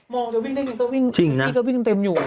มองเขาเก้าวิ่งได้ยังก็เต็มอยู่